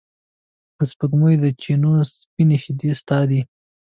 د سپوږمۍ د چېنو سپینې شیدې ستا دي